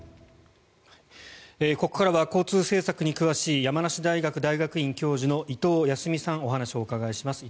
ここからは交通政策に詳しい山梨大学大学院教授の伊藤安海さんにお話をお伺いします。